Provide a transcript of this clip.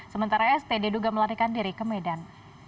sementara st diduga melarikan diri ke medan